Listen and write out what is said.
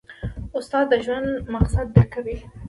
استاد د ژوند مقصد درکوي.